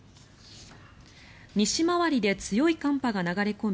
西回りで強い寒波が流れ込み